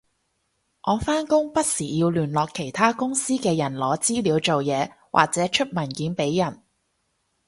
我返工不時要聯絡其他公司嘅人攞資料做嘢或者出文件畀人